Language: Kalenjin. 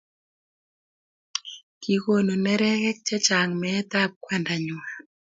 kikonu nerekwek che chang' meetab kwandang'wany